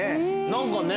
何かね。